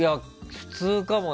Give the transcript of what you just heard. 普通かもな。